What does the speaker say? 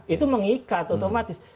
itu mengikat otomatis